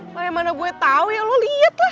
lah yang mana gue tau ya lo liat lah